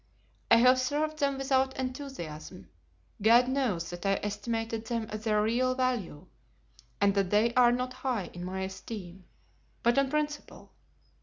I have served them without enthusiasm—God knows that I estimated them at their real value, and that they are not high in my esteem—but on principle.